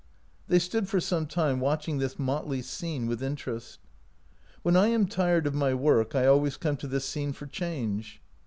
They stood for some time watching this motley scene with interest. " When I am tired of my work I always come to this scene for change."